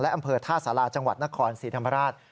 อำเภอท่าสาราจังหวัดนครศรีธรรมราช